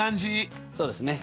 そうですね。